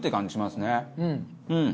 うん！